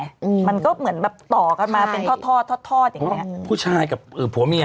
อืมมันก็เหมือนแบบต่อกันมาเป็นทอดทอดทอดทอดทอดอย่างเงี้ยผู้ชายกับเอ่อผัวเมีย